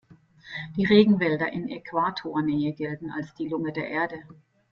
Die Regenwälder in Äquatornähe gelten als die Lunge der Erde.